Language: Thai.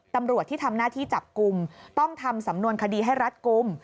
ตำรวจที่ทำหน้าที่จับกลุ่มต้องทำสำนวนคดีให้รัฐกลุ่ม